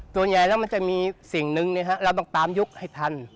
ส่วนใหญ่แล้วมันจะมีสิ่งหนึ่งเราต้องตามยุคให้ทัน